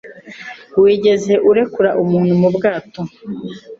Wigeze urekura umuntu mu bwato?